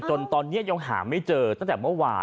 จนตอนนี้ยังหาไม่เจอตั้งแต่เมื่อวาน